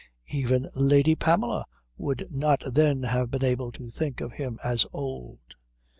Even Lady Pamela would not then have been able to think of him as old.